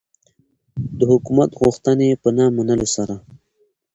د حکومت غوښتنې په نه منلو سره.